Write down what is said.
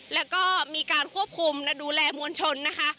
แล้วก็มีการควบคุมและดูแลมวลชนนะคะ